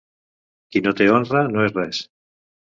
Qui no té honra no és res.